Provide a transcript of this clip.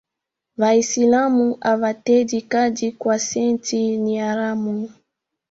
Vaisilamu havatedhi kadi kwa sen'thi. Ni haramu